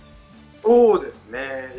そうですね。